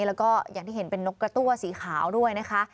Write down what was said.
แล้วก็อย่างที่เห็นเป็นนกกระตั้วสีขาวด้วยนะคะ